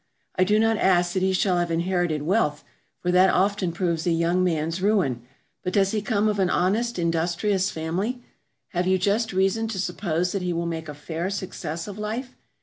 I do not ask that he shall have inherited wealth, for that often proves a young man's ruin, but does he come of an honest, industrious family? Have you just reason to suppose that he will make a fair success of life?